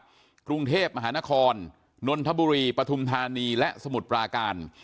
ก็คือกรุงเทพฯมหานครนลธบุรีประทุมธานีและสมุดประการ